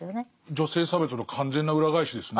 女性差別の完全な裏返しですね。